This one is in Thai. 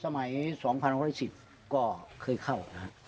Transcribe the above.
สมัย๒๑๑๐ก็เคยเข้านะครับ